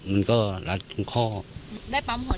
ได้ปั๊มหัวใจไหมคะ